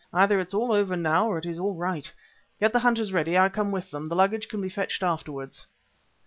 Either it is all over now or it is all right. Get the hunters ready; I come with them. The luggage can be fetched afterwards."